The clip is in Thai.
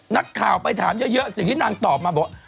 นักข่าวไปถามเยอะสิ่งที่นางตอบมาบอก